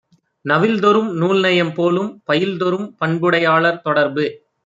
நவில்தொறும் நூல்நயம் போலும், பயில்தொறும் பண்புடையாளர் தொடர்பு.